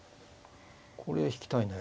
これは引きたいね。